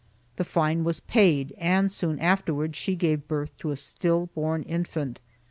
The fine was paid and soon afterwards she gave birth to a still born infant.